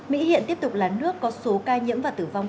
mỹ hiện tiếp tục là nước có số ca nhiễm và tử vong